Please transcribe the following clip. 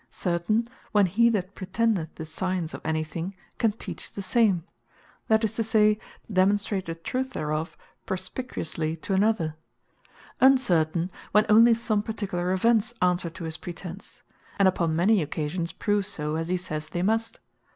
Certain, when he that pretendeth the Science of any thing, can teach the same; that is to say, demonstrate the truth thereof perspicuously to another: Uncertain, when onely some particular events answer to his pretence, and upon many occasions prove so as he sayes they must.